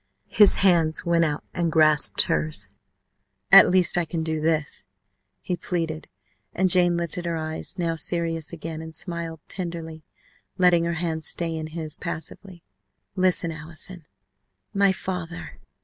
His hands went out and grasped hers. "At least I can do this," he pleaded, and Jane lifted her eyes, now serious again, and smiled tenderly, letting her hands stay in his passively. "Listen, Allison my father!"